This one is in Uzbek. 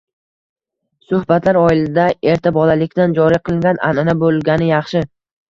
Suhbatlar oilada erta bolalikdan joriy qilingan anʼana bo‘lgani yaxshi.